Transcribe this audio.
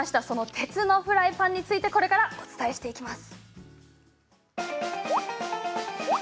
鉄のフライパンについてお伝えしていきます。